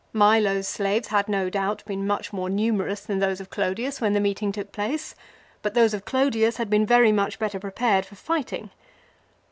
Milo's slaves had no doubt been much more numerous than those of Clodius when the meet ing took place ; but those of Clodius had been very much better prepared for fighting.